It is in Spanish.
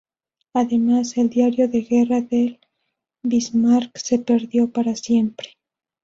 Además, el diario de guerra del "Bismarck" se perdió para siempre.